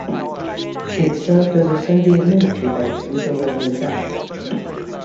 It served as a Soviet military base until they moved out.